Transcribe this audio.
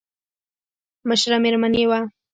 مشره مېرمن يې وه.